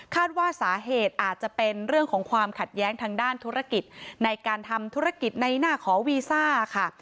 ว่าสาเหตุอาจจะเป็นเรื่องของความขัดแย้งทางด้านธุรกิจในการทำธุรกิจในหน้าขอวีซ่าค่ะ